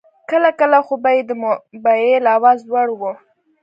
کله کله خو به یې د موبایل آواز لوړ و.